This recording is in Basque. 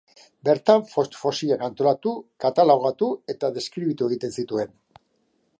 Bertan fosilak antolatu, katalogatu eta deskribatu egiten zituen.